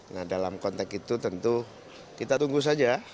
nah dalam konteks itu tentu kita tunggu saja